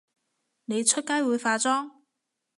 你出街會化妝？